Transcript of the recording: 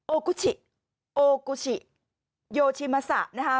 โอกูชิโอกูชิโยชิมัสซ่านะฮะ